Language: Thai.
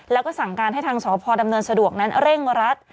แล้วก็สั่งการให้ทางสพดำเนินสะดวกนั้นเร่งรัด